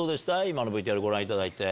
今のＶＴＲご覧いただいて。